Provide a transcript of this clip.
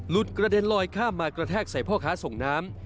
กระเด็นลอยข้ามมากระแทกใส่พ่อค้าส่งน้ำ